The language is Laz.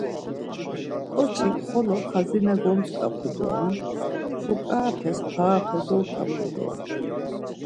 Ǩoçik xolo xazina gontzǩapu doren, fuǩarapes parape doltapu doren.